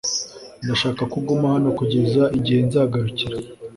Ndashaka ko uguma hano kugeza igihe nzagarukira